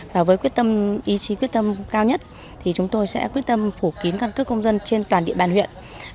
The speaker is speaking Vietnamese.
và với quyết tâm ý chí quyết tâm cao nhất thì chúng tôi sẽ quyết tâm phủ kín căn cước công dân trên toàn địa bàn huyện